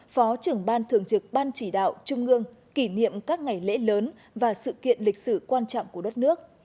phó trưởng ban thường trực ban chỉ đạo trung ương kỷ niệm các ngày lễ lớn và sự kiện lịch sử quan trọng của đất nước